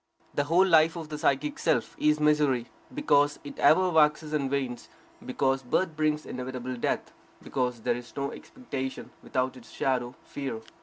The whole life of the psychic self is misery, because it ever waxes and wanes; because birth brings inevitable death; because there is no expectation without its shadow, fear.